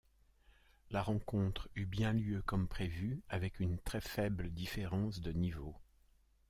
La rencontre eut bien lieu comme prévu, avec une très faible différence de niveau.